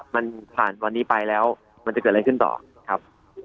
มันผ่านวันนี้ไปแล้วมันจะเกิดอะไรขึ้นต่อครับ